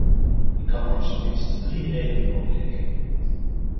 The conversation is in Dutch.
Ik kan daar op zijn minst drie redenen voor bedenken.